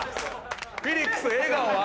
フィリックス笑顔は？